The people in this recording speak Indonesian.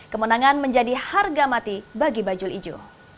kemenangan menjadi harga mati bagi bajul ijo